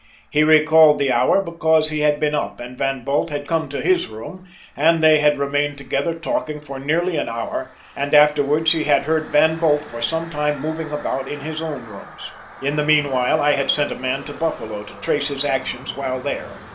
He recalled the hour because he had been up and Van Bult had come to his room and they had remained together talking for nearly an hour and afterwards he had heard Van Bult for some time moving about in his own rooms. "In the meanwhile I had sent a man to Buffalo to trace his actions while there.